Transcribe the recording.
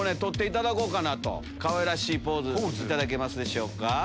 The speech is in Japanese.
かわいらしいポーズ頂けますでしょうか。